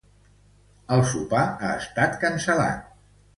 El sopar ha estat cancel·lat.